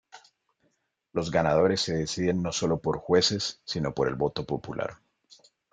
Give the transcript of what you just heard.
Los ganadores se deciden no solo por jueces, sino por el voto popular.